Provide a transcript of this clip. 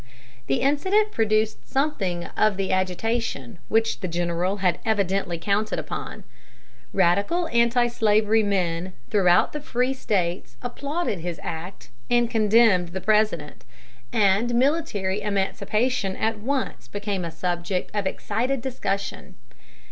The incident produced something of the agitation which the general had evidently counted upon. Radical antislavery men throughout the free States applauded his act and condemned the President, and military emancipation at once became a subject of excited discussion.